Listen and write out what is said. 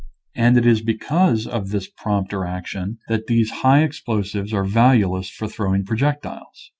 And it is because of this prompter action that these high explosives are valueless for throwing projectiles.